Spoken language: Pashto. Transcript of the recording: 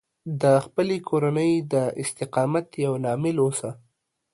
د خپلې کورنۍ د استقامت یو لامل اوسه